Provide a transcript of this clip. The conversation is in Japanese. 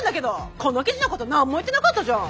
この記事のこと何も言ってなかったじゃん。